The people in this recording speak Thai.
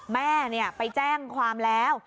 แม่ไปแจ้งความแล้ว